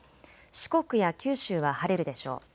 四国や九州は晴れるでしょう。